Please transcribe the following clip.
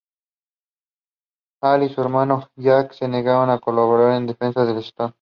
Al y su hermano Jack se negaron a colaborar en la defensa de Stone.